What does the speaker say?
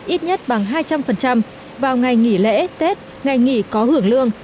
ít nhất bằng hai trăm linh vào ngày nghỉ lễ tết ngày nghỉ có hưởng lương